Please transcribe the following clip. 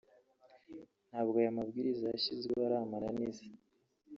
ntabwo aya mabwiriza yashyizweho ari amananiza